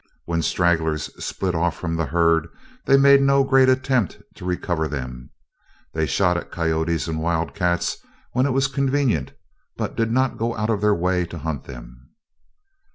When stragglers split off from the herd they made no great attempt to recover them. They shot at coyotes and wildcats when it was convenient, but did not go out of their way to hunt them.